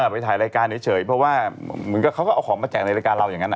ไปถ่ายรายการเฉยเพราะว่าเหมือนกับเขาก็เอาของมาแจกในรายการเราอย่างนั้น